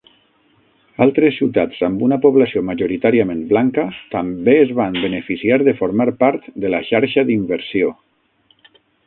Altres ciutats amb una població majoritàriament blanca també es van beneficiar de formar part de la xarxa d'inversió.